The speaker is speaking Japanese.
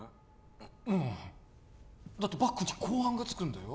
ううんだってバックに公安がつくんだよ